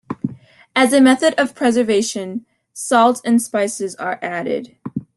As a method of preservation, salt and spices are added.